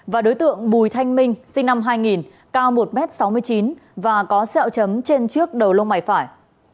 và đối tượng bùi thanh minh sinh năm hai nghìn cao một m sáu mươi chín và có sẹo chấm trên trước đầu lông mày phải